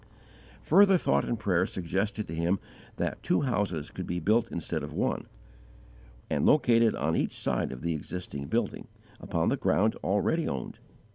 Further thought and prayer suggested to him that two houses could be built instead of one, and located on each side of the existing building, upon the ground already owned.